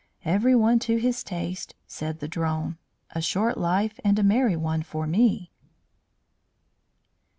"Everyone to his taste," said the drone. "A short life and a merry one for me."